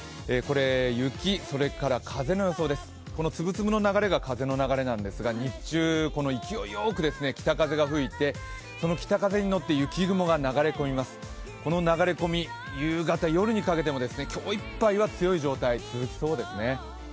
雪、風の予想です、この粒々の流れが風の流れなんですが日中、勢いよく北風が吹いてその北風にのって雪雲が流れ込みます、この流れ込み、夕方、夜にかけても今日いっぱいは強い状態が続きそうですね。